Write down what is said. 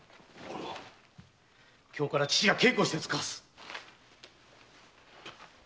今日から父が稽古してつかわす。